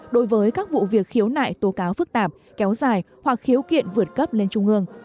đối với các vụ việc khiếu nại tố cáo phức tạp kéo dài hoặc khiếu kiện vượt cấp lên trung ương